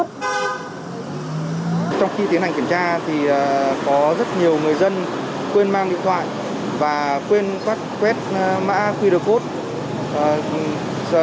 trong khi tiến hành kiểm tra thì có rất nhiều người dân quên mang điện thoại và quên quét các quét mã qr code